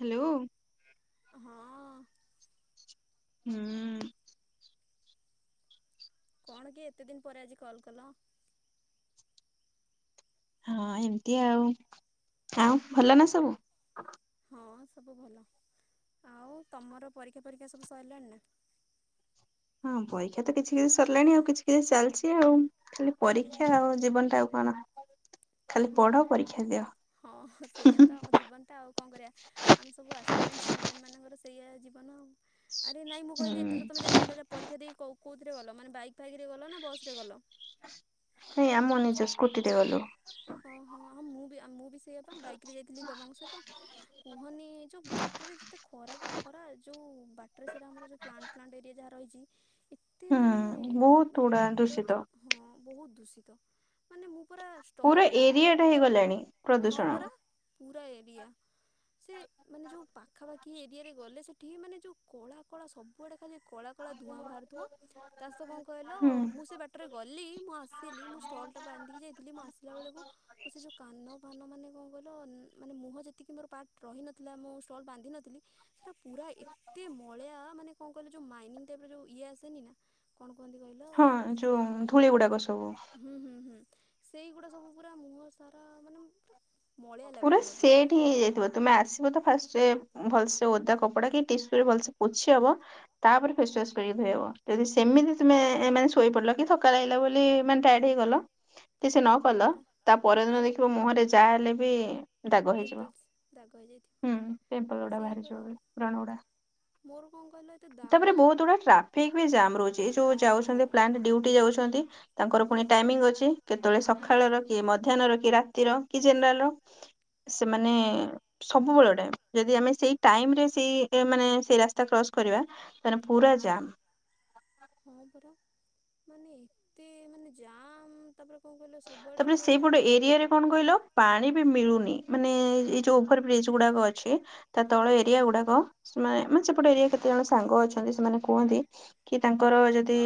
Hello. ହଁ। ହୁଁ। କଣ କି ଏତେ ଦିନି ପରେ ଆଜି କଲ୍ କଲ? ହଁ ଏମିତି ଆଉ ଆଉ ଭଲ ନା ସବୁ? ହଁ ସବୁ ଭଲ ଆଉ ତମର ପରୀକ୍ଷା ଫରୀକ୍ଷା ସବୁ ସରିଲାଣି ନା? ହଁ ପରିକ୍ଷା ତ କିଛି କିଛି ସରିଲାଣି ଆଉ କିଛି କିଛି ଚାଲିଚି ଆଉ। ଖାଲି ହୁଁ ହୁଁ ପରୀକ୍ଷା ଆଉ ଜୀବନଟା ଆଉ କଣ? ଖାଲି ହଁ ପଢ ପରୀକ୍ଷା ଦିଅ। ହଁ ସେଇଆା ତ ଆମ ଜୀବନ। ତା ଆଉ କଣ କରିବା ଆମେ ସବୁ ଆକ୍ସପିରିଏନ୍ସ ଷ୍ଟୁଡେଣ୍ଟ ମାନଙ୍କର ସେଇଆ ଜୀବନ। ଆରେ ନାଇଁ ମୁଁ ହୁଁ କହିଲି ଏଥର ତୁମେ ଯାଇଥିଲ ଯେ ପରୀକ୍ଷା ଦେଇ କୋଉଥିରେ ଗଲ ମାନେ ବାଇକ୍ ଫାଇକେ ଗଲ ନା ବସରେ ଗଲ? ସେଇଆମ ନିଜ ସ୍କୁଟିରେ ଗଲୁ। ହଁ ହଁ ହଁ ମୁଁ ବି ମୁଁ ବି ସେଇପା ବାଇକରେ ଯାଇଥିଲି ବାବାଙ୍କ ସହିତ। କୁହନି ଯୋଉ ବାଟରେ ଯେତେ ଖରାକୁ ଖରା ଯୋଉ ବାଟ। ବାଟରେ ସେଟା ଆମର ଯୋଉ ପ୍ଲାଣ୍ଟ ପ୍ଲାଣ୍ଟ ଏରିଆ ଯାହା ରହିଚି ଏତେ ହୁଁ ମାନେ ବହୁତ ମାନେ ଗୁଡା ଦୂଷିତ। କଦର୍ଯ ହଁ ବୋହୁତ ଦୂଷିତ ମାନେ ମୁଁ ପୁରା ପୁରା ଷ୍ଟଲ୍ ଏରିଆ ଟା ହେଇଗଲାଣି। ହଁ ପ୍ରଦୂଷଣ। ପରା ପୁରା ଏରିଆ। ସେ ମାନେ ଯୋଉ ପାଖାପାଖି ଏରିଆରେ ଗଲେ ସେଠିକି ମାନେ ଯୋଉ କଳା କଳା ସବୁଆଡେ ଖାଲି କଳା କଣ ଧୂଆଁ ବାହାରୁଥିବ ତା ସହିତ କଣ କହିଲ ହୁଁ। ମୁଁ ସେ ବାଟ ରେ ଗଲି ମୁଁ ଆସିଲି ମୁଁ ଷ୍ଟଲଟା ବାନ୍ଧିକି ଯାଇଥିଲି ମୁଁ ଆସିଲା ବେଳକୁ ମୁଁ ସେ ଯେଉଁ କାନ। କାନ ମାନେ କଣ କହିଲ ମାନେ ମୁହଁ ଯେତିକି ମୋର ପାର୍ଟ ରହିନଥିଲା ମୁଁ ଷ୍ଟଲ୍ ବାନ୍ଧିନଥିଲି। ସେଟା ପୁରା ଏତେ ମଳିଆ ମାନେ କଣ କହିଲ ଯୋଉ ମାଇନିଂ ଟାଇପ ର ଯୋଉ ଇଏ ଆସେନି ନା। କଣ କୁହନ୍ତି କହିଲ? ହଁ ଯୋଉ ଧୂଳି ଗୁଡାକ ସବୁ। ହୁଁ ହୁଁ ହୁଁ ସେଇଗୁଡା ସବୁ ପୁରା ମୁହଁ ସାରା ମାନେ ପା ପୁରା ସେଟ। ହେଇଯାଇଥିବ ତମେ ଆସିବ ତ ଫାରେ ଭଲସେ ଓଦା କପଡା କି ଟିସୁ ରେ ଭଲସେ ପୋଛି ହବ। ତାପରେ ଫେସୱାସ କରିକି ଧୋଇବ ଯଦି ସେମିତି ତମେ ମାନେ ଶୋଇ ପଡିଲ କି ଥକା ଲାଗିଲା ବୋଲି ମା ଟାଇଡ୍ ହେଇଗଲ କିଛି ନ ହଁ କଲ ପରା ତା ପରଦିନ ମାନେ ଦେଖିବ ମୁହରେ ଯାହା ହେଲେ। ବି ଦାଗ ହେଇଯିବ ପିମ୍ପଲ୍ସ ଦାଗ ହେଇଯାଇଥିବ। ହୁଁ ପିମ୍ପଲ ଗୁଡା ସେଇ ବାହାରି ପରା ଯିବ ବ୍ରଣଗୁଡା। ମୋର କଣ କହିଲ ଏତେ? ଦା ତାପରେ ମାନେ ବହୁତ ଗୁଡା ଟ୍ରାଫିକ ବି ଜାମ ରହୁଛି ଏ ହଁ ଯୋଉ ଯାଉଛନ୍ତି ପ୍ଲାଣ୍ଟ ଡିଉଟି ଯାଉଛନ୍ତି। ତାଙ୍କର ହଁ ପୁଣି ଟାଇମିଂ ଅଛି। କେତେବେଳେ ହୁଁ। ସକାଳର କି ମଧ୍ୟାହ୍ନର କି ରାତିର କି ଜେନେରାଲ ର ସେମାନେ। ସବୁବେଳ ଟାଇମ୍ ଯଦି ଆମେ ସେଇ ଟାଇମରେ ସେଇ ମାନେ ସେ ରାସ୍ କ୍ରସ୍ କରିବା ତାେ ପୁରା ଜାମ। ହଁ ପରା ମାନେ ଏତେ ମାନେ ଜାମ। ତାପରେ କଣ କହିଲ? ସବୁଆଡ଼େ ତାପରେ ଏତେ ସେଇପୋଟେ ଏରିଆରେ କଣ କହିଲ? ପାଣି ବି ମିଳୁନି ମାନେ ଏଇ ଯୋଉ ଓଭର ବ୍ରିଜ ଗୁଡାକ ଅଛି ତା ହଁ ତଳ ଏରିଆ ଗୁଡାକ। ସେମାନେ ମାନେ ସେପଟେ ଏରିଆ କେତେ ଜଣ ସାଙ୍ଗ ଅଛନ୍ତି ସେମାନେ କୁହନ୍ତି। କି ତାଙ୍କର ଯଦି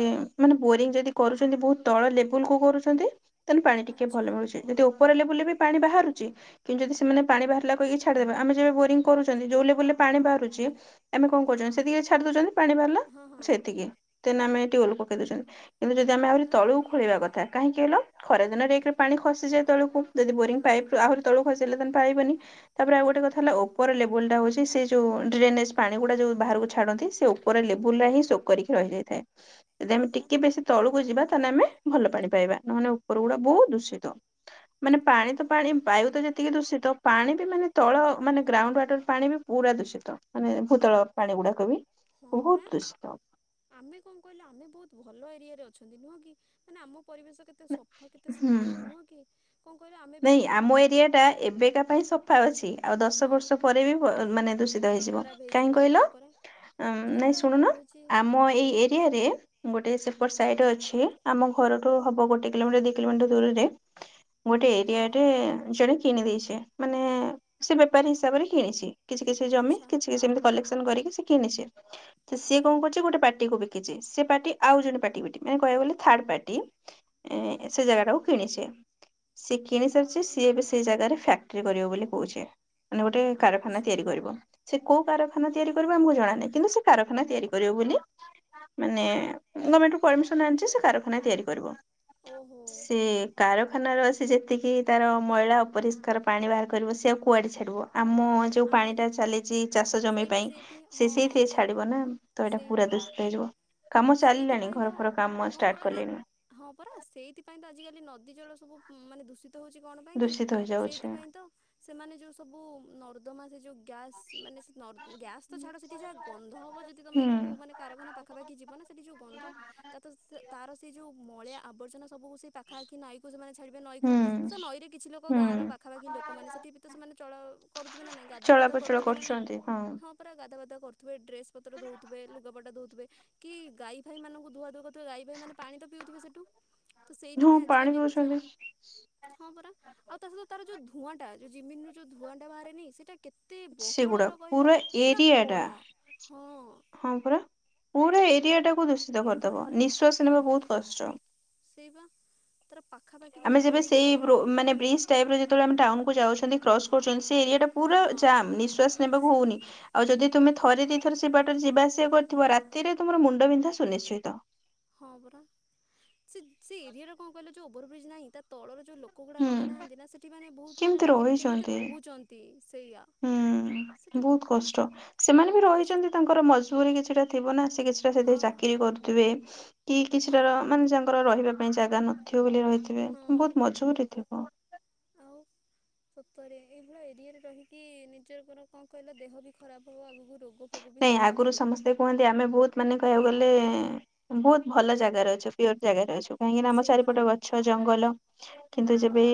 ମାନେ ବୋରିଙ୍ଗ ଯଦି କରୁଛନ୍ତି ବହୁତ ତଳ ଲେବୁଲକୁୁ କରୁଛନ୍ତି। ତାେଲେ ପାଣି ଟିକେ ଆଚ୍ଛା ଭଲ ମିଳୁଛି ଯଦି ଉପର ଲେବୁଲରେ ବି ପାଣି ବାହାରୁଛି କିନ୍ତୁ ଯଦି ସେମାନେ ପାଣି ବାହାରିଲା କହି କି ଛାଡି ଦେବେ ଆମେଯେବେ ବୋରିଂ କରୁଛନ୍ତି ଯଉ ଲେବୁଲରେ। ପାଣି ବାହାରୁଛି ଆମେ କଣ ହଁ କରୁଛନ୍ତି ସେତିକି ଛାଡ଼ି ଦଉଛନ୍ତି ପାଣି ବାହାରିଲା ହଁ ହଁ ସେତିକି। ତ ଆମେ ଟିଉଲ୍ ପକେଇ ଦଉଛନ୍ତି କିନ୍ତୁ ଯଦି ଆମେ ହଁ ଆହୁରି ପରା। ତଳକୁ ଖୋଳିବା କଥା କାହିଁକି କହିଲ? ଖରାଦିନରେ ଏକରେ ପାଣି ଖସିଯାଏ ତଳକୁ ଯଦି ବୋରିଂ ହଁ। ପାଇପ ଆହୁରି ତଳକୁ ଖସିଲେ ପାଇବନି। ତାପରେ ଆଉ ଗୋଟେ କଥା ହେଲା ଓପର ଲେବୁଲ ଟା ହଉଛି ସେ ଯଉ ଡ୍ରେନେଜ ପାଣି ଗୁଡା ଯୋଉ ବାହାରକୁ ଛାଡନ୍ତି ସେ ଉପର ଲେବୁଲରେ ହିଁ ଶୋକ କରିକି ରହିଯାଇଥାଏ। ଯଦି ହଁ ଆମେ ପରା ଟିକେ ବେଶି ତଳକୁ ଯିବା ତାହେଲେ ଆମେ ଭଲ ପାଣି ପାଇବା ନହେଲେ ଉପର ଗୁଡା ବହୁତ ଦୂଷିତ। ମାନେ ପାଣି ତ ହଁ। ପାଣି। ବାୟୁ ତ ଯେତିକି ଦୂଷିତ ପାଣି ବି ମାନେ ତଳ ମାନେ ଗ୍ରାଉଣ୍ଡ ୱାଟର ପାଣି ବି ପୁରା ଦୂଷିତ। ମାନେ ଭୂତଳ ପାଣି ଗୁଡାକ ବି। ହଁ ପରା। ବହୁତ ଦୂଷିତ ଆମେ କଣ କହିଲେ ଆମେ ବହୁତ ଭଲ ଏରିଆରେ ଅଛନ୍ତି ନୁହଁ କି ମାନେ ଆମ ପରିବେଶ କେ ତେ ସଫା କେତେ ହୁଁ। ସୁନ୍ଦର ନୁହଁ କି କଣ କହିଲ ଆମେ। ବି ନାଇଁ ଆମ ଏରିଆ ଟା ଏବେକା ପାଇଁ ସଫା ଅଛି ଆଉ ଦଶ ହଁ। ବର୍ଷ ପରେ ବି ମାନେ ଦୂ ଷିତ ହେଇଯିବ ଖରାପ କାହିଁ ହଁ କହିଲ ପରା। ଯୋଉ ନାଇଁ ଭଳିଆ ଶୁଣୁନ ବଢୁଛି ହଁ ଆମ ଏଇ ଏରିଆରେ। ଗୋଟେ ସେପଟ ସାଇଡ ଅଛି ଆମ ଘରଠୁ ହବ ଗୋଟେ କିଲୋ ମିଟର ଦି କିଲୋ ମିଟର ଦୂରରେ। ଗୋଟେ। ହଁ। ଇଆଟେ ଜଣେ କିଣି ଦେଇେଇଛେ ମାନେ ସେ ବେପାରୀ ହିସାବରେ କିଣିଛି। କିଛି କିଛି ଜମି ଆଚ୍ଛା। କିଛି କିଛି ସେମିତି କଲେକ୍ସନ କରିକି ସେ କିଣିଛି ସିଏ ଆଚ୍ଛା କଣ କରୁଛି ଗୋଟେ ପାଟି କୁ ବି ଖଛି ସେ ପାର୍ଟି ଆଉ ଜଣେ ପାର୍ଟି ପଟି ମାନେ କହିବାକୁ ଗଲେ ଥାର୍ଡ ପାର୍ଟି ହୁଁ। ସେ ଜାଗାଟାକୁ। କିଣିଛି ସିଏ କିଣି ସାରିଛି ସିଏ ଏବେ ସେଇ ଜାଗାରେ ଫ୍ୟାକ୍ଟ୍ରି କରିବ ବୋଲି କହୁଛି। ମାନେ ଗୋଟେ କାରଖାନା ଆଚ୍ଛା ତିଆରି କରିବ। ସେ କୋଉ କାରଖାନା ତିଆରି କରିବ ଆମକୁ ଜଣାନାହିଁ କିନ୍ତୁ ସେ କାରଖାନା ତିଆରି କରିବ ବୋଲି ମାନେ ଗଭର୍ଣମେଣ୍ଟ ରୁ ପରମିସନ ଆଣିଛି ସେ କାରଖାନା ତିଆରି କରିବ। ଓହୋ। ସେ କାରଖାନ ର ଆସି ଯେ। [unintelligible] ଯେତିକି ତାର ମଇଳା ଅପରିଷ୍କାର ପାଣି ବାହାର କରିବ ସେଉ କୁଆଡେ ଛାଡିବ ଆମ ଯୋଉ ପାଣି ଆମରି ଟା ଚାଲିଛି ଚାଷ ଜମି ସେଇଠି ପାଇଁ। ସେଇଠି ସେ ହଁ ସେଇଥିରେ ଛାଡିବ ନା ତ ଏଇଟା ସେଇ ପୁରା ପରା। ଦୂଷିତ ହେଇଯିବ। କାମ ଚାଲିଲାଣି ସେଇଥିପାଇଁ ତ ଘର ଫର କାମ ହଁ ଷ୍ଟାର୍ଟ ଆରେ କଲେଣି। ହଁ ପରା ସେଇଥିପାଇଁ ତ ଆଜିିକାଲି ନଦୀ ଜଳ ସବୁ ମାନେ ଦୂଷିତ। ଷିତ ହଉଛି କଣ ପାଇଁ କି ଦୂଷିତ ହେଇଯାଉଛି ସେଇଥିପ ତ ସେମାନେ ଯୋଉ ସବୁ ଉଁ ନର୍ଦ୍ଦମା ସେ ଯୋଉ। ଗ୍ୟାସ୍ ମାନେ ସେ ନର୍ ଗ୍ୟାସ୍ ତ ଛାଡ଼ ସେଠି ଯାହା ଗନ୍ଧ ହବ ଯଦି ତମେ ହୁଁ। କଉ ମାନେ କାରଖାନା ପାଖାପାଖି ସେଠି କି ଯିବନା ସେଠି ଯୋଉ ଗନ୍ଧ ତାପରେ ସେ ତାର ସେଇ ଯୋଉ ମଇଳିଆ ଆବର୍ଜନା ସବୁ ସେଇ ପାଖ ଖାକ କି ନଈକୁ ସେମାନେ ଛାଡିବେ ନଈ କକୁ ହୁଁ ସେ ନଈରେ କିଛି ଲୋକ ତାଙ୍କ ଗାଁ ହୁଁ। ର ପାଖାପାଖି ଲୋକମାନେ ସେଠି ବି ତ ସେମାନେ ଚଳ କରୁଥିବେ ନାାଇଁ ଗାଧା ପାଧୁଆ ଚଳାପଚଳ କରୁଥିବେ ନା ନାଇଁ କରୁଛନ୍ତି ହଁ। ପୁରା ଗାଧୁଆ ଗାଧୁଆ କରୁଥିବେ ଡ୍ରେସ ପତ୍ର ଧୋଉଥିବେ, ଲୁଗାପଟ ଧୋଉଥିବ, କି ଗାଈ ଫାଇ ମାନଙ୍କୁ ଧୁଆ ଧୁଇ କରୁ ତ ଗାଈ ଫାଇ ମାନେ ପାଣି ତ ପିଉଥିବେ ସେଠୁ ତ ହଁ ସେଇଥିପାଇଁ ପାଣି ଆଜିିକାଲି ଏତେ ସାରା ପିଉଛନ୍ତି ହଁ ପରା, ଆଉ ତା ସହିତ ତାର ଯୋଉ ଧୂଆଁ ଟାଉ ଜିମିନୁ ଯୋଉ ଧୂଆଁ ଟା ବାହାରେନି ସେଇଟା କେତ୍ ଏତେ ସେଗୁଡା ବହଳର କହିଲ ପୁରା ଏରିଆ ଟା କଳା। ହଁ। ହଁ ପରା, ପୁରା ସେଟା ଏ ଏରିଆ ଟାକୁ ଦୂଷିତ କରିଦବ ନିଃଶ୍ୱାସ ନେବା ବହୁତ କଷ୍ଟ। ସେଇପା। ତାର ପାଖା ପାଖି ଆମେ ଯେବେ ସେଇ ବ୍ରୋ ମାନେ ବ୍ରିଜ ଟାଇପ୍ ର ଯେତେବେଳେ ଆମେ ଟାଉନକୁୁ ଯାଉଛନ୍ତି କ୍ରସ୍ କରୁଛନ୍ତି ସେ ଏରିଆ ଟା। ହଁ ପୁରା ଜାମ୍ ନିଶ୍ବାସ ନେବାକୁ ସେ ହଉନି। ଆଉ ଯଦି ତୁମେ ଥରେ ଦିଇଥର ସେିବାଟରେ ଯିବା ଆସିବା କରିଥିବ ରାତିରେ ତୁମର ମୁଣ୍ଡ ବିିନ୍ଧା ସୁନିଶ୍ଚିତ। ହଁ ପରା, ସେ ସେ ଏରିଆରେ କଣ କହିଲା ଯେଉଁ ଓଭରବ୍ରିଜ୍ ନାହିଁ ତା ତଳର ଯୋଉ ଲୋକ। କୁକୁଡ଼ା ହୁଁ ରହିନାହାନ୍ତି ନା ସେଠି ମାନେ ବହୁତ ମାନେ କେମିତି ଲାଗେନି କେମିତି ରହିଛନ୍ତି। ରହୁଛନ୍ତି ସେଇଆ। ହୁଁ, ବହୁତ ସେଠି କଷ୍ଟ ସେମାନେ ବି ବହୁତ କଷ୍ଟ ରହିଛନ୍ତି ତାଙ୍କର ମଜ୍। ବୁରି କିଛିଟା ଥିବ ନା ସେ କିଛିଟା ସେ ଆଉ ଚାକିରି କରୁଥିବେ, କି କିଛିଟା ର ହଁ ମାନେ ତାଙ୍କର ରହିବା‌। ପାଇଁ ଜାଗା ନଥିବ ବୋଲି ରହିଥିବେ, ହଁ ତ ବହୁତ ମଜବୁରି ଥିବ। ଆଉ ସତରେ ଏଇଭଳିଆ ଏରିଆରେ ରହିକି ନିଜର ଲୋକ ର କଣ କହିଲ ଦେହ ବି ଖରାପ ହବ ଆଗକୁ ରୋଗ। ଫୋଗ ବି ନାଇଁ ସବୁ ଆଗରୁ ବାହାରିବ। ସମସ୍ତେ। କୁହନ୍ତି ଆମେ ବହୁତ ମାନେ କହିବାକୁ ଗଲେ ଏଁ ବହୁତ ଭଲ ଜାଗାରେ ଅଛୁ ପିଓର ଜାଗାରେ ଅଛୁ। କାହିଁକି ନା ଆମ ସେଇ ପରା ଚାରିପଟେ ଗଛ, ଜଙ୍ଗଲ। କିନ୍ତୁ ଯେବେ ହଁ।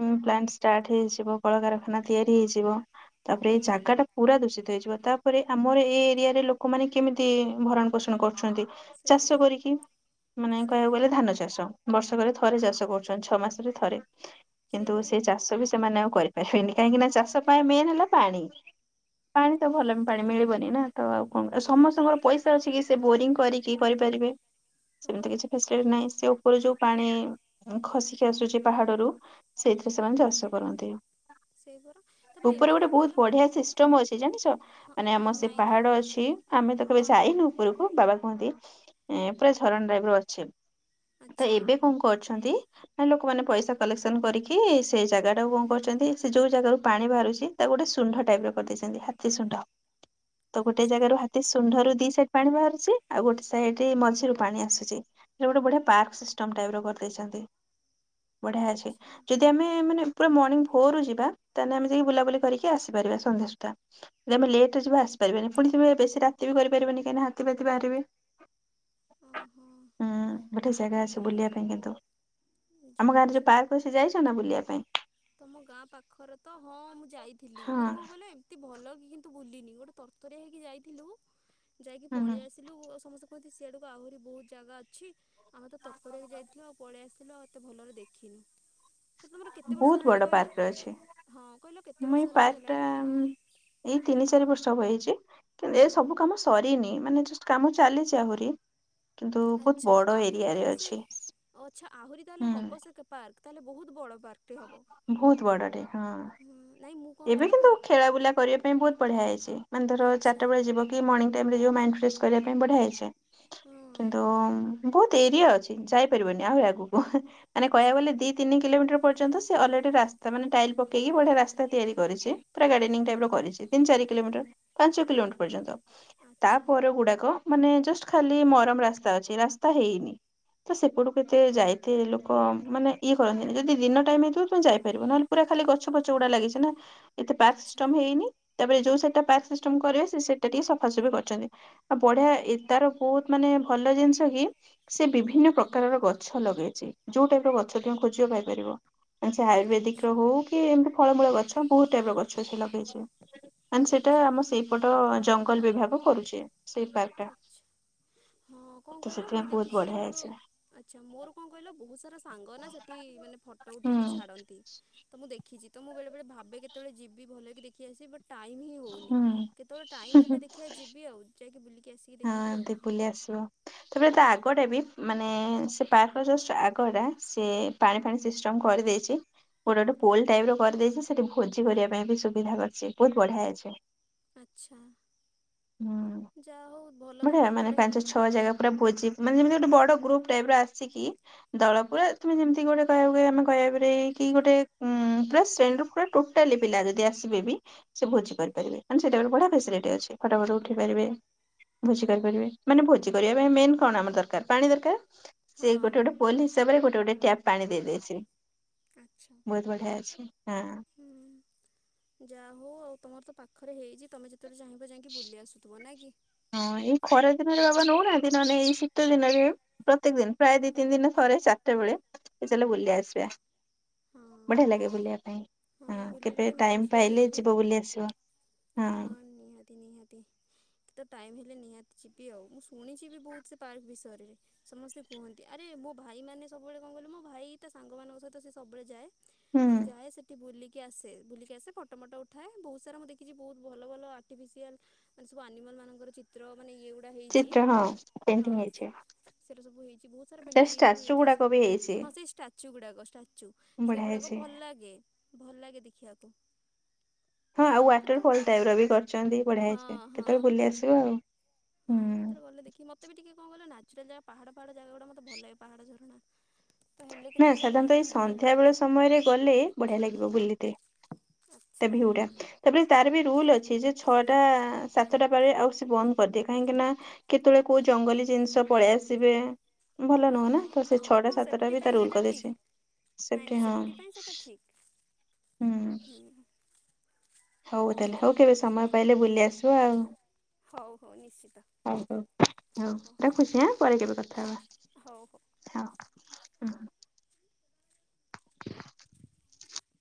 ଉଁ ପ୍ଲାଣ୍ଟ ଷ୍ଟାର୍ଟ ହେଇଯିବ, କଳକାରଖାନା ତିଆରି ହେଇଯିବ। ତାପରେ ଏଇ ହୁଁ। ଜାଗା ଟା ପୁରା ଦୂଷିତ ହେଇଯିବ ତାପରେ। ଆମର ଏଇ ଏରିଆରେ ଲୋକମାନେ କେମିତି ଭରଣ ପୋଷଣ କରୁଛନ୍ତି? ଚାଷ ସେଇଆ କରିକି, ମାନେ କହିବାକୁ ସେଇଆ ଗଲେ ଧାନ ଚାଷ। ବର୍ଷକରେ ଥରେ ଚାଷ କରୁଛନ୍ତି ଛଅ ମାସରେ ଥରେ, ସେଇ କିନ୍ତୁ ପରା ସେ ଚାଷ ବି। ସେମାନେ ଆଉ କରିପାରିବେନି କାହିଁକି ନା ଚାଷ ପାଇଁ ମେନ୍ ହେଲା ପାଣି, ପାଣି ହଁ ତ ପା ଭଲ। ପାଣି ମିଳିବନି ନା ତ ଆଉ କଣ ସେଇଆ। ସମସ୍ତଙ୍କର ପଇସା ଅଛି କି ସେ ବୋରିଂ କରିକି କରିପାରିବେ। ସେମିତି କିଛି ହଁ ଫେସିଲିଟି ନାହିଁ ସେ ଉପରୁ ଯୋଉ ପାଣି ଉଁ ଖସି। ଖସି ଆସୁଛି ପାହାଡରୁୁ ସେଇଥିରେ ସେମାନେ ଚାଷ କରନ୍ତି। ସେଇ ପରା ତାପରେ ଉପରେ ଏବେ ଗୋଟେ କଣ ବହୁତ କହିଲ ବଢିଆ ସିଷ୍ଟମ ଅଛି ଜାଣିଛ? ହଁ ମାନେ ଆମ ସେ ନାଇଁ ତ ପାହାଡ ଅଛି, ଆମେ ତ କେବେ ହଁ ହଁ ଯାଇନୁ। ଉପରକୁ, ବାବା କୁହନ୍ତି ଏଁ ପୁରା ଝରଣା ଟାଇପ୍ ର ଅଛି। ତ ଆଚ୍ଛା ଏବେ କଣ କରିଛନ୍ତି? ଲୋକମାନେ ପଇସା କଲେକ୍ସନ କରିକି ସେ ଜାଗା ଟାକୁ କଣ କରୁଛନ୍ତି ସେ ଯୋଉ ଜାଗାରୁ ପାଣି ବାହାରୁଛି ତାକୁ ଗୋଟେ ସୁଣ୍ଢ ଟାଇପ ର କରିଦେଇଛନ୍ତି, ହାତୀ ଶୁଣ୍ଢ। ତ ଗୋଟେ ଆଚ୍ଛା। ଜାଗାରୁ ହାତୀ ସୁଣ୍ଢ ରୁ ଦି ସାଇଡ ପାଣି ବାହାରୁଛି, ଆଉ ଗୋଟେ ସାଇଡ ମଝିରୁ ପାଣି ଆସୁଛି। ଗୋଟେ ବଢିଆ ପାର୍କ ସିଷ୍ଟମ ଟାଇପ ର କରିଦେଇଛନ୍ତି। ବଢିଆ ଅଛି ଆଚ୍ଛା ଯଦି ଯଦି ଆମେ ପୁରା ମର୍ଣ୍ଣିଂ ଭୋରୁ ଯିବା, ତାହେଲେ ଆମେ ଯାଇକି ବୁଲାବୁଲି କରିକି ଆସିପାରିବା, ସନ୍ଧ୍ୟା ସୁଦ୍ଧା। ଯଦି ଆମେ ଲେ ଯିବା ଆସି ପାରିବାନି, ପୁଣିଥିବେ ବେଶି ରାତି ବି କରି ପାରିବେନି କାହିଁକି ନା ହାତୀ ଫାତି ବାହାରିବେ। ଉଁ ହୁଁ। ହୁଁ ଗୋଟେ ଜାଗା ଅଛି ବୁଲିବା ପାଇଁ କିନ୍ତୁ ଯା ଆମ ହଉ ଗାଁରେ ଯୋଉ ପାର୍କ ସେ ଯାଇଛ ନା ବୁଲିବା ପାଇଁ? ତମ ଗାଁ ପାଖରେ ତ, ହଁ ମୁଁ ଯାଇଥିଲି, ହଁ ମାନେ କଣ କହିଲେ ଏମତି ଭଲ କି କିନ୍ତୁ ବୁଲିନି, ଗୋଟେ ତରତରିଆ ହେଇକି ଯାଇଥିଲୁ, ଯାଇକି ହୁଁ ପଳେଇ ଆସି ଥିଲୁ ସମସ୍ତେ କହନ୍ତି ସେଆଡକୁ ଆହୁରି ବହୁତ ଜାଗା ଅଛି। ଆମେ ତରତର ଯାଇଥିଲୁ ଆଉ ପଳେଇ ଆସିଲୁ ଆଉ କେତେ ଭଲରେ ଦେଖିନୁ ସେ ତମର କେତେ ବର୍ଷ ବହୁତ ହେଲାଣି ବଡ କହିଲ? ପାର୍କରେ ଅଛି ହଁ କହିଲ କେତେ ମୁଁ ବର୍ଷ ଏଇ ହେଲାଣି ପାର୍କ ଟା ହେଲାଣି? ଏଇ ତିନି ଚାରି ବର୍ଷ ହେଇଛି, କିନ୍ତୁ ଏ ହୁଁ ସବୁ କାମ ସରିନି ମାନେ ଜଷ୍ଟ କାମ ଚାଲିଛି ଆହୁରି। କିନ୍ତୁ ବହୁତ ଆଚ୍ଛା ବଡ ଆହୁରି ଏରିଆରେ ତାହେଲେ ସେ ଅଛି ଆଚ୍ଛା ଆହୁରି ତାହେଲେ ହୁଁ ହବ ସେ କା ପାର୍କ ତାହେଲେ ବହୁତ ବଡ଼ ପାର୍କଟେ ହେବ। ବହୁତ ବଡଟେ ହୁଁ। ହୁଁ ନାଇଁ ମୁଁ କଣ ଏବେ କହିଲ କିନ୍ତୁ ମୋର ଖେଳା ବୁଲା କରିବା ପାଇଁ ବହୁତ ବଢିଆ ହେଇଛି। ମାନେ ଧର ଆଚ୍ଛା ଚାରଟା ବେଳେ ଯୁବକ ମର୍ଣିଂ ଟାଇମ ରେ ଯିବ ମାଇଣ୍ଡ ଫ୍ରେସ୍ କରିବା ପାଇଁ ବଢିଆ ହେଇଛି। ହଁ କିନ୍ତୁ ବହୁତ ଏରିଆ ଅଛି ଯାଇପାରିବନି ଆହୁରି ଆଗକୁ ମାନେ କହିବାକୁ ଆଚ୍ଛା ଗଲେ ଦି ତିନି କିଲୋମିଟର ପର୍ଯ୍ୟନ୍ତ ସେ ଅଲରେଡି ରାସ୍ତାମାନେ ଟାଇଲ ପକେଇକି ବଢିଆ ରାସ୍ତା ତିଆରି କରିଛି, ପୁରା ଗାଡେନିଙ୍ଗ ଟାଇପ୍ ର କରିଛି, ତିନି ଚାରି କିଲୋମିଟର ପାଞ୍ଚ କିଲୋମିଟର ପର୍ଯ୍ୟନ୍ତ। ଆଚ୍ଛା। ତାପର ଗୁଡାକ ମାନେ ଜଷ୍ଟ ଖାଲି ମରମ ରାସ୍ତା ଅଛି, ରାସ୍ତା ହେଇନି। ତ ସେପଟକୁ ଏତେ ଯାଇଥିଲେ ଲୋକ ମାନେ ଇଏ କରନ୍ତିନି, ଯଦି ଦିନ ଟାଇମ ହେଇଥିବ ତୁମେ ଯାଇପାରିବ, ନହେଲେ ପୁରା ଖାଲି ଗଛ ପଛ ଗୁଡା ଲାଗିଛି ନା, ଏତେ ପାର୍କ ଆଚ୍ଛା ସିଷ୍ଟମ ହେଇନି। ତାପରେ ଯୋଉ ସେଟା ପାର୍କ ସିଷ୍ଟମ କରିବେ, ସେ ସେଟା ଟିକେ ସଫାସଫି କରୁଛନ୍ତି। ଆଉ ବଢିଆ ଏ ତାର ବହୁତ ମାନେ ଭଲ ଜିନିଷ କି ସେ ବିଭିନ୍ନ ପ୍ରକାରର ଗଛ ଲଗେଇଛି। ଯୋଉ ଟାଇପ ର ଗଛ ଛ ଖୋଜିବା ପାଇପାରିବ, ସେ ଆୟୁର୍ବେଦିକ ର ଆଚ୍ଛା ହଉ କି ଏମତି ଫଳ ଗଛ ବହୁତ ଟାଇପ ର ଗଛ ସେ ଲଗେଇଛି। ମାନେ ସେଟା ଆଚ୍ଛା ଆମ ସେଇପଟ ଜଙ୍ଗଲ ବିଭାଗ କରୁଛି। ସେଇ ପାର୍କ ଟା। ଆଛା ହଁ କଣ ତ କହିଲ ମୁଁ ସେଥିପାଇଁ ବହୁତ ଦେଖିଛି ଯେ ବଢିଆ ମୋର ହେଇଛି ଆଚ୍ଛା ମୋର କଣ କହିଲ ବହୁତ ସାରା ସାଙ୍ଗ ନା ସେଠି ମାନେ ଫଟୋ ହୁଁ ଉଠେଇକି ଛାଡନ୍ତି। ତ ମୁଁ ଦେଖିଛି। ତ ମୁଁ ବେଳେ ବେଳେ ଭାବେ କେତେବେଳେ ଯିବି ଭଲ କି ଦେଖି ଆସିବି ବଟ ଟାଇମ୍ ହିଁ ହେଉନି। ହୁଁ କେତେବେଳେ ଟାଇମ୍ ହୁଁ ହେଲେ ହୁଁ ଦେଖିବା ଯିବି ଆଉ ଯାଇକି ବୁଲିକି ଆସିବି। ହଁ ଦ ବୁଲି ଆସିବ, ତାପରେ ତା ହୁଁ। ଆଗ ଟାବି ମାନେ ସେ ପାର୍କ ଜଷ୍ଟ ଆଗଟା ସିଏ ପାଣି ଫାଣି ସିଷ୍ଟମ୍ କରିଦେଇଛି। ଗୋଟେ ଗୋଟେ ପୋଲ ଟାଇପ ର କରିଦେଇଛି, ସେଠି ଭୋଜି କରିବା ପାଇଁ ବି ସୁବିଧା କରିଛି, ବହୁତ ବଢିଆ ଅଛି। ଆଚ୍ଛା ହୁଁ ଯାହା ହୋଉ ଭଲ ବଢିଆ ତମ ମାନେ ପାଖରେ ପାଞ୍ଚ ହେଲା। ଛଅ ଜାଗା ପୁରା ଭୋଜି ମାନେ ଯେମିତି ଗୋଟେ ବଡ ଗ୍ରୁପ୍ ଟାଇପ୍ ର ଆସିକି ଦଳ ପୁରା ତମେ ଯେମିତି ଗୋଟେ କହିବାକୁ ଆମେ କହିବାପରେ କି ଗୋଟେ ସେଣ୍ଡୁ ଉ ପୁରା ଟୋ ଟେଲି ପିଲା ଯଦି ଆସିବେ ବି ସେ ଭୋଜି କରିପାରିବେ। ସେଇଟା ଗୋଟେ ବଢିଆ ଫେସିଲିଟି ଅଛି। ଫଟ ଫଟ ଉଠେଇପାରିବେ ଭୋଜି କରିପାରିବେ। ମାନେ ଭୋଜି କରିବା ପାଇଁ ମେନ୍ କଣ ଆମର ଦରକାର? ପାଣି ଦରକାର। ସେଇ ଗୋଟେ ହଁ ଗୋଟେ ପୋଲ୍ ହିସାବରେ ଗୋଟେ ଗୋଟେ ଟ୍ୟାପ୍ ପାଣି ଦେଦେଇଥିବେ। ଆଚ୍ଛା। ବହୁତ୍ ବଢିଆ ଅଛି। ହଁ। ହୁଁ ଯାହା ହୋଉ ଆଉ ତମର ତ ପାଖରେ ହେଇଚି ତମେ ଯେ ଯେତେବେଳେ ଚାହିଁବଯାଇକି ବୁଲି ଆସୁଥିବ। ନାଇଁ କି? ହଁ ଏଇ ଖରା ଦିନରେ ବାବା ନୋଉନାହାନ୍ତି। ନହେଲେ ଏଇ ଶୀତ ଦିନରେ ପ୍ରତ୍ୟେକ ଦିନ୍ ପ୍ରାୟ ଦି ତିନି ଦିନିରେ ଥରେ ଚାରିଟା ବେଳେ ଏ ଚାଲ ବୁଲି ଆସିବା। ହଁ ବଢିଆ ଲାଗେ ବୁଲିବା ପାଇଁ। ହଁ ବୁଲିଲେ କେବେ ଟିକେ ମାଇଣ୍ଡ ଟାଇମ୍ ଫ୍ରେଶ ପାଇଲେ ହେଇଯିବ ଯିବ ବୁଲି ଆସିବ। ହଁ ନିହାତି ନିହାତି। ତ ଟାଇମ ହେଲେ ନିହାତି ଯିବି ଆଉ। ମୁଁ ଶୁଣିଚିବି ବହୁତ୍ ସେ ପାର୍କ ବିଷୟରେ। ସମସ୍ତେ କୁହନ୍ତି ଆରେ ମୋ ଭାଇ ମାନେ ସବୁବେଳେ କଣ କହିଲୁ ମୋ ଭାଇ ତା ସାଙ୍ଗମାନଙ୍କ ସହିତ ସେ ସବୁବେଳେ ଯାଏ। ହୁଁ। ସେ ଯାଏ ସେଠି ବୁଲିକି ଆସେ। ବୁଲିକି ଆସେ ଫଟ ଫଟ ଉଠାଏ ବହୁତ୍ ସାରା ମୁଁ ଦେ କିଛି ବହୁତ୍ ଭଲ ଭଲ ଆର୍ଟିଫିସିଆଲ ମାନେ ସବୁ ଆନିମଲ ମାନଙ୍କରଚି ଚିତ୍ର ମାନେ ଏଇ ଗୁଡା ହେଇଚି? ଚିତ୍ର ହଁ ହଁ। ପେଣ୍ଟିଂ ହେଇଛି ସେଟା ସବୁ ହେଇଚି ବହୁତ୍ ସାରା ତା ପେଣ୍ଟି ହେଇଚି ମୁଁ ଷ୍ଟାଚୁ ଦେଖିଚି। ଗୁଡାକ ବି ହେଇଛି ହଁ ସେଇଷ୍ଟାଚୁ ଗୁଡାକ ଷ୍ଟାଚୁ। ବଢିଆ ସେଇଗୁଡାକ ହେଇଛି। ଭଲ ଲାଗେ। ଭଲ ଲାଗେ ଦେଖିବାକୁ। ହଁ ଆଉ ହଉ ୱାଟର କେତେବେଳେ ଫଲ୍ ଟାଇପ ର ବି କରିଚନ୍ତି। ବଢିଆ ହେଇଚି। ହଁ କେତେବେଳେ ହଁ। ବୁଲି ଆସିବ ଆଉ। ହଁ ହୁଁ। କେତେବେଳେ ଗଲେ ଦେଖିବି। ମତେ ବି ଟିକିଏ କଣ କହିଲ ନାଚୁରାଲ ଜାଗା ପାହାଡ ପାହାଡ ଜାଗା ଗୁଡା ମତେ ଭଲ ଲାଗେ। ପାହାଡ ଝରଣା। ତ ହେଲେ ନା କେତେବେଳେ ନିହାତି ସାଧାରଣତଃ ଏଇ ଯିବି ଆଉ। ସନ୍ଧ୍ୟା ବେଳ ସମୟରେ ଗଲେ ବଢିଆ ଲାଗିବ ବୁଲିତେ। ଆଚ୍ଛା। ତେଭି ଉଡାଥେ୍। ତେବେ ତାର ବି ରୁଲ୍ ଅଛି ଯେ ଛଅଟା ସାତଟା ପାରେ ଆଉ ସେ ବନ୍ଦ କରିଦିଏ କାହିଁକିନା କେତେବେଳେ କୋଉ ଜଙ୍ଗଲୀ ଜିନିଷ ପଳେଇ ଆସିବେ ଭଲ ନୁହଁ ନା ତ ସେ ଛଅଟା ସାତ ଟିପାଇଁ ସେଟା ଠିକ୍ ନାଇଁ ନାଇଁ ହଁ। ସେଫ୍ଟି ପାଇଁ ସେଟା ଠିକ୍। ହୁଁ ଉଁ ହୁଁ। ହଉ ତାହେଲେ ହଉ କେବେ ସମୟ ପାଇଲେ ବୁଲି ଆସିବ ଆଉ। ହଉ ହଉ ନିଶ୍ଚିତ। ହଉ ରଖୁଚି ଆଁ ପରେ କେବେ କଥା ହଁ ହବା। ହଉ ହଉ। ଥାଉ ହଁ। ହ [inaudible]